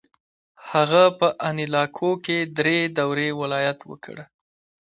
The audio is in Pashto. هغه په انیلاکو کې درې دورې ولایت وکړ.